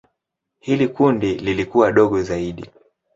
Hili kundi lilikuwa dogo zaidi.